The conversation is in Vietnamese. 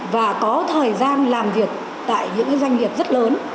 và có thời gian làm việc tại những doanh nghiệp rất lớn